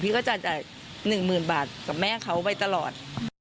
พี่ก็จะจ่ายหนึ่งหมื่นบาทกับแม่เขาไปตลอด